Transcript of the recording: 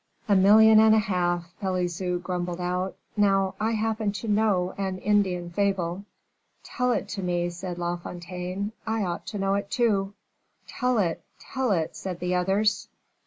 "A million and a half," Pelisson grumbled out; "now I happen to know an Indian fable " "Tell it to me," said La Fontaine; "I ought to know it too." "Tell it, tell it," said the others.